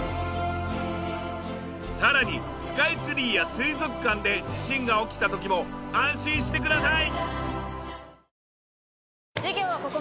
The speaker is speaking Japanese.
さらにスカイツリーや水族館で地震が起きた時も安心してください！